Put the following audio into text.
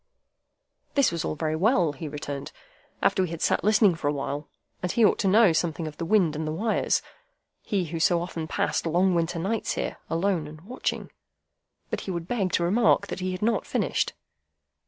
That was all very well, he returned, after we had sat listening for a while, and he ought to know something of the wind and the wires,—he who so often passed long winter nights there, alone and watching. But he would beg to remark that he had not finished.